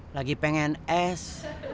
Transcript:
lagi pengen es